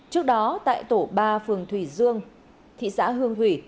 trước đó tại tổ ba phường thủy dương thị xã hương thủy